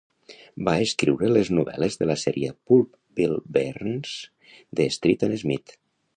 Va escriure les novel·les de la sèrie pulp Bill Barnes de Street and Smith.